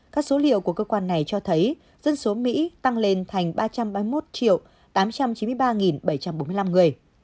các số liệu của cơ quan này cho thấy dân số mỹ tăng lên thành ba trăm ba mươi một tám trăm chín mươi ba bảy trăm bốn mươi năm người